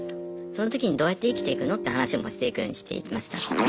そのときにどうやって生きていくのって話もしていくようにしていきました。